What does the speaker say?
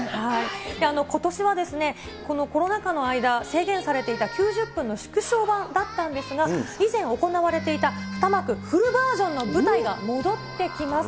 ことしはこのコロナ禍の間、制限されていた９０分の縮小版だったんですが、以前行われていた２幕フルバージョンの舞台が戻ってきます。